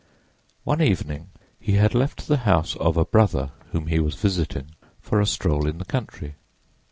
One evening he had left the house of a brother whom he was visiting, for a stroll in the country.